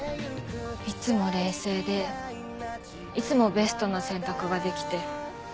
いつも冷静でいつもベストな選択ができて。